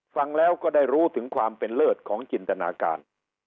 ฟังแล้วก็ได้รู้ถึงความเป็นเลิศของจินตนาการ